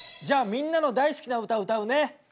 じゃあみんなの大好きな歌を歌うね。